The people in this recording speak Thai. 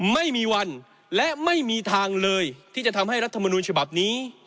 ไม่มีวันและไม่มีทางเลยที่จะทำให้รัฐมนุนฉบับนี้